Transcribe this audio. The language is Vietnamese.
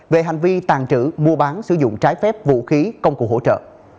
về hành vi tàn trữ mua bán sử dụng trái phép vũ khí công cụ hỗ trợ